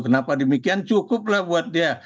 kenapa demikian cukup lah buat dia